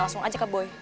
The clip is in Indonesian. langsung aja ke boy